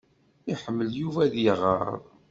Iḥemmel Yuba ad iɣeṛ.